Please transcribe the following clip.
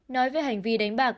nói về hành vi đánh bạc